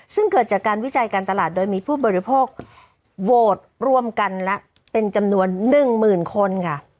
ซึ่งเกิดจากการวิจัยการตลาดโดยมีผู้บริโภคโหวตร่วมกันละเป็นจำนวน๑๐๐๐คนค่ะ